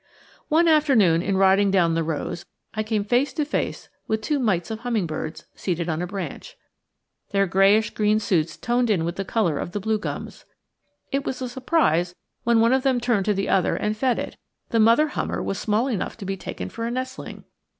One afternoon in riding down the rows, I came face to face with two mites of hummingbirds seated on a branch. Their grayish green suits toned in with the color of the blue gums. It was a surprise when one of them turned to the other and fed it the mother hummer was small enough to be taken for a nestling!